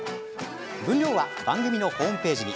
分量は番組のホームページに。